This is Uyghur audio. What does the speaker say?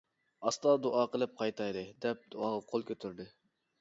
ئاستا دۇئا قىلىپ قايتايلى-دەپ دۇئاغا قول كۆتۈردى.